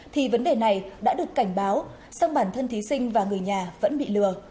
thì vấn đề này đã được cảnh báo song bản thân thí sinh và người nhà vẫn bị lừa